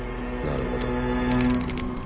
なるほど